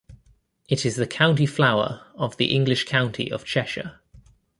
It is the county flower of the English county of Cheshire.